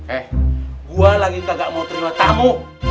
eh gue lagi gak mau terima tamu